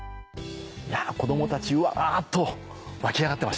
子供たち「わ！」っと沸き上がってましたね。